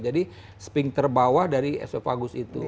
jadi sphincter bawah dari esophagus itu